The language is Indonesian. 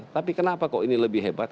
tapi kenapa kok ini lebih hebat